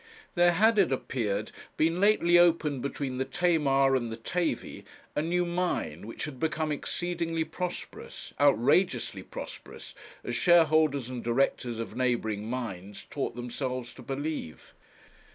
There had, it appeared, been lately opened between the Tamar and the Tavy a new mine, which had become exceedingly prosperous outrageously prosperous, as shareholders and directors of neighbouring mines taught themselves to believe.